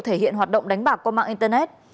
thể hiện hoạt động đánh bạc qua mạng internet